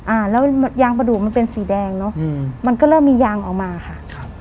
อ่าแล้วยางประดูกมันเป็นสีแดงเนอะอืมมันก็เริ่มมียางออกมาค่ะครับ